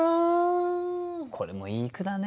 これもいい句だね。